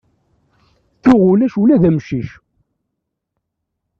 Tuɣ ulac ula d amcic.